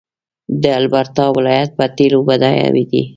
د البرټا ولایت په تیلو بډایه دی.